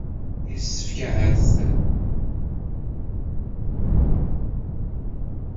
Yessefk, ahat, ad as-nɣer i Lḥusin n Caɛban u Ṛemḍan.